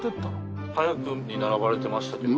早くに並ばれてましたけど。